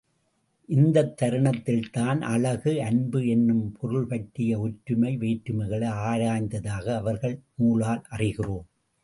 இந்தத் தருணத்தில்தான் அழகு, அன்பு என்னும் பொருள்பற்றிய ஒற்றுமை வேற்றுமைகளை ஆராய்ந்ததாக அவர்கள் நூலால் அறிகிறோம்.